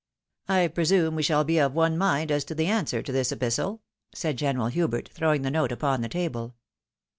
" I presume we shall all be of one mind as to the answer to this epistle ?" said General Hubert, throwing the note upon the table.